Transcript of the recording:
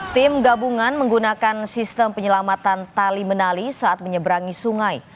tim gabungan menggunakan sistem penyelamatan tali menali saat menyeberangi sungai